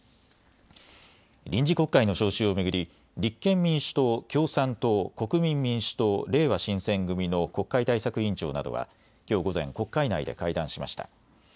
臨時国会の召集を巡り立憲民主党、共産党、国民民主党、れいわ新選組の国会対策委員長などはきょう午前、国会内で会談しました。